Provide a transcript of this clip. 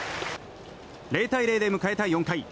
０対０で迎えた４回。